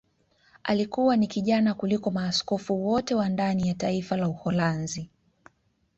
Alikuwa ni kijana kuliko maaskofu wote wa ndani ya taifa la Uholanzi